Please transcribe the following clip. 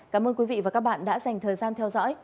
cảm ơn quý vị và các bạn đã dành thời gian theo dõi